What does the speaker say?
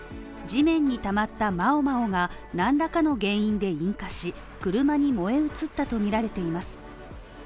地面に溜まった毛毛が何らかの原因で引火し、車に燃え移ったとみられています。